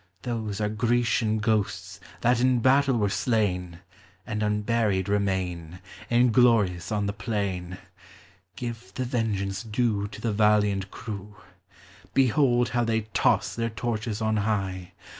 Those are Grecian ghosts, that in battle were slain, And unburied remain, Inglorious on the plain : (Jive the vengeance due To the valiant eivw. Behold how they toss their torches on high.